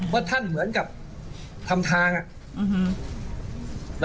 ว่าท่านเหมือนกับทำทางอะ